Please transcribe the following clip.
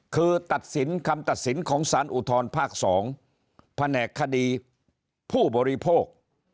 คือตัดสินคำตัดสินของสารอุทธรภาค๒แผนกคดีผู้บริโภค